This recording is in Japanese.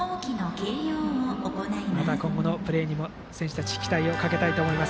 また今後のプレーにも選手たちに期待をかけたいと思います。